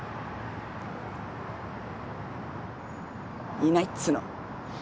いないっつーの。